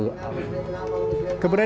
keberadaan islam tuhan